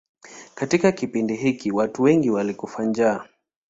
Katika kipindi hiki watu wengi walikufa njaa.